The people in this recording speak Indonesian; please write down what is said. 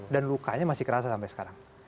dan lukanya masih kerasa sampai sekarang